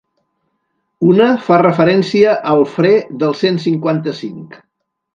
Una fa referència al fre del cent cinquanta-cinc.